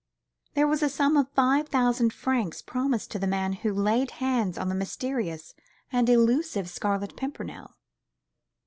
There was a sum of five thousand francs promised to the man who laid hands on the mysterious and elusive Scarlet Pimpernel.